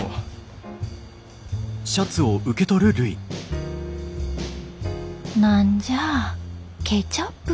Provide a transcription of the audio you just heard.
心の声何じゃあケチャップか。